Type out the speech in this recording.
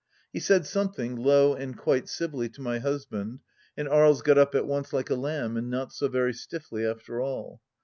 He said something, low and quite civilly, to my husband, and Aries got up at once like a lamb, and not so very stiffly, after all.